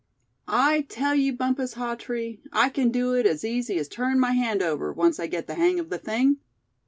"I tell you, Bumpus Hawtree, I can do it as easy as turn my hand over, once I get the hang of the thing!"